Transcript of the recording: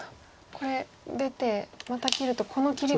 これ出てまた切るとこの切りが。